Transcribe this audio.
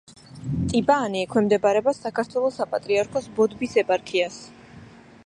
ტიბაანი ექვემდებარება საქართველოს საპატრიარქოს ბოდბის ეპარქიას.